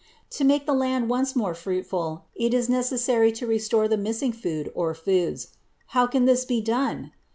To make the land once more fruitful it is necessary to restore the missing food or foods. How can this be done?